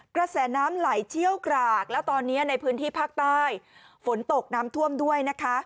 กระแสน้ำไหลเชี่ยวกรากแล้วตอนนี้ในพื้นที่ภาคใต้ฝนตกน้ำท่วมด้วยนะคะ